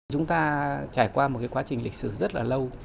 chúng ta trải qua một quá trình lịch sử rất là lâu